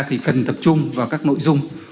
thì cần tập trung vào các nội dung